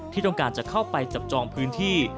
ที่ต้องการจะเข้าไปจับจองพื้นที่